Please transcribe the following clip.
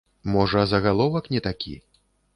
Можа загаловак не такі.